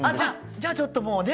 じゃあちょっともうね